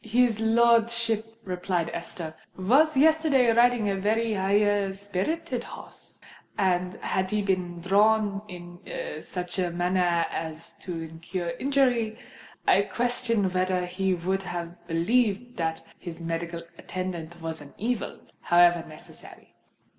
"His lordship," replied Esther, "was yesterday riding a very high spirited horse; and had he been thrown in such a manner as to have incurred injury, I question whether he would have believed that his medical attendant was an evil, however necessary."